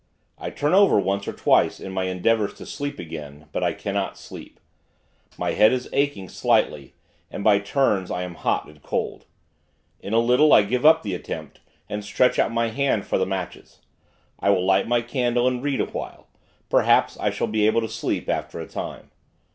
I turn over, once or twice, in my endeavors to sleep again; but I cannot sleep. My head is aching, slightly; and, by turns I am hot and cold. In a little, I give up the attempt, and stretch out my hand, for the matches. I will light my candle, and read, awhile; perhaps, I shall be able to sleep, after a time.